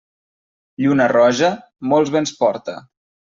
Lluna roja, molts vents porta.